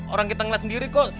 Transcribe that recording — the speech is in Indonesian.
orang kita ngeliat sendiri kok